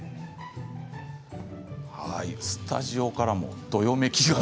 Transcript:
スタジオからもどよめきが。